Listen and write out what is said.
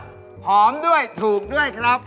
โอ๊ยผ่อมด้วยถูกด้วยนะนะใช่